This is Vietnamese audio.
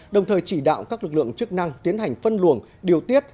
đồng thời chỉ đạo các lực lượng chức năng tiến hành phân luồng điều tiết